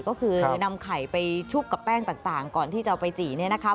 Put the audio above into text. ก็คือนำไข่ไปชุบกับแป้งต่างก่อนที่จะเอาไปจี่เนี่ยนะคะ